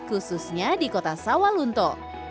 khususnya di kota sawalunto